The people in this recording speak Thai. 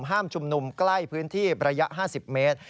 ห้ามชุมนุมใกล้พื้นที่ระยะ๕๐เมตร